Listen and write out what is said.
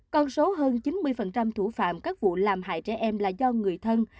con số hơn chín mươi thủ phạm các vụ làm hại trẻ em là do người thân